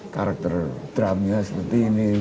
karakter drumnya seperti ini